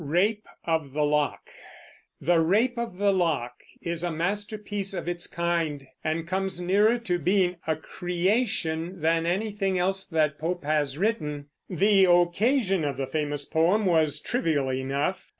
The Rape of the Lock is a masterpiece of its kind, and comes nearer to being a "creation" than anything else that Pope has written. The occasion of the famous poem was trivial enough.